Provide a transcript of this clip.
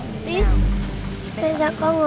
người phòng đưa đánh giá nhờ của bé